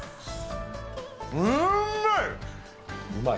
うまい。